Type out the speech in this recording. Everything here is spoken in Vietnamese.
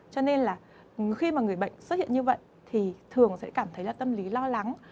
cho nên là khi mà người bệnh xuất hiện như vậy thì thường sẽ cảm thấy là tâm lý lo lắng